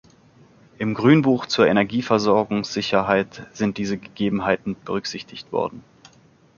Im Grünbuch zur Energieversorgungssicherheit sind diese Gegebenheiten berücksichtig worden.